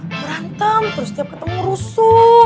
berantem terus tiap ketemu rusuh